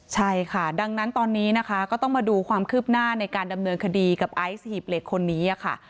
ใช่ค่ะดังนั้นตอนนี้นะคะก็ต้องมาดูความคืบหน้าในการดำเนินคดีกับไอซ์หีบเหล็กคนนี้ค่ะ